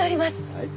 はい。